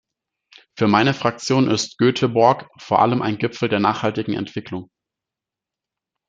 Für meine Fraktion ist Göteborg vor allem ein Gipfel der nachhaltigen Entwicklung.